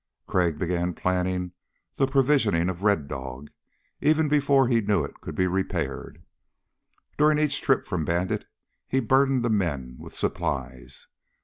Crag began planning the provisioning of Red Dog even before he knew it could be repaired. During each trip from Bandit he burdened the men with supplies.